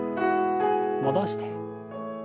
戻して。